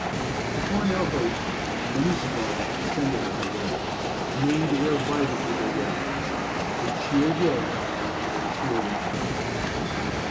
The Cornell host, many strong, descended on New Haven, and made the air vibrant with their yells. They cheered Yale, and were cheered in turn.